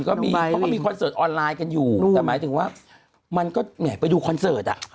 เขาก็มีคอนเสิร์ตออนไลน์กันอยู่หมายถึงว่าไปดูคอนเสิร์ต